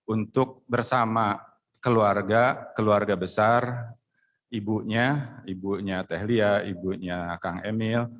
untuk bersama keluarga keluarga besar ibunya ibunya tehlia ibunya kang emil